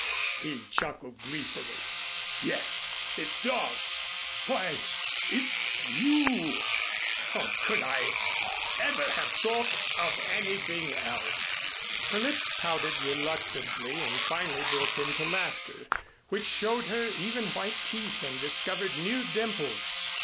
he chuckled gleefully. "Yes, it does why, it's you. How could I ever have thought of anything else?" Her lips pouted reluctantly and finally broke into laughter, which showed her even white teeth and discovered new dimples.